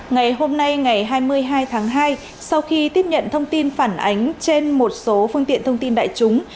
ngày hôm nay ngày hai mươi hai tháng hai sau khi tiếp nhận thông tin phản ánh trên một số phương tiện thông tin đại chúng